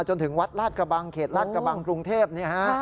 จนถึงวัดลาดกระบังเขตลาดกระบังกรุงเทพเนี่ยฮะ